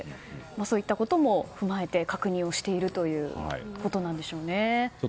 そういったことも踏まえて確認をしているんでしょうね。